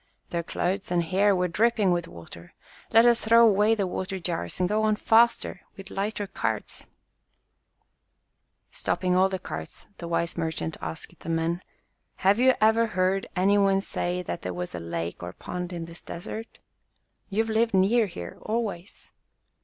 Their clothes and hair were dripping with water. Let us throw away the water jars and go on faster with lighter carts !" Stopping all the carts the wise merchant asked the men, "Have you ever heard any one say that there was a lake or pond in this desert? You have lived near here always."